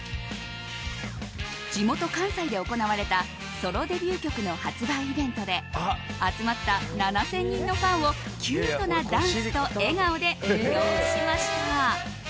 地元・関西で行われたソロデビュー曲の発売イベントで集まった７０００人のファンをキュートなダンスと笑顔で魅了しました。